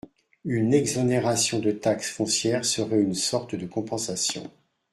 Une exonération de taxe foncière serait une sorte de compensation.